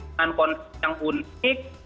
dengan konsep yang unik